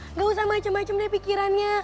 nggak usah macem macem deh pikirannya